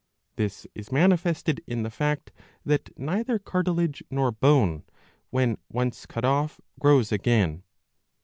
^'' This is manifested in the fact that neither cartilage nor bone, when once cut off, grows again.